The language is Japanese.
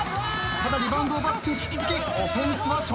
ただリバウンドを奪って引き続きオフェンスは笑